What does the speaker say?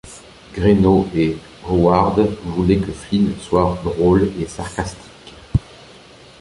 Greno et Howard voulaient que Flynn soit drôle et sarcastique.